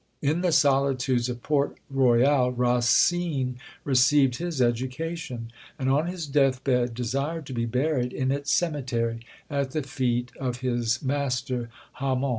In the solitudes of Port Royal Racine received his education; and, on his death bed, desired to be buried in its cemetery, at the feet of his master Hamon.